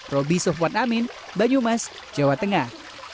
roby sofwan amin banyumas jawa tengah